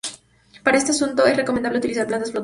Para este asunto es recomendable utilizar plantas flotantes.